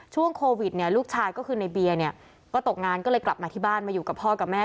ช่วงโควิดเนี่ยลูกชายก็คือในเบียร์เนี่ยก็ตกงานก็เลยกลับมาที่บ้านมาอยู่กับพ่อกับแม่